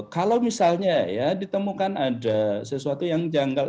kalau misalnya ya ditemukan ada sesuatu yang janggal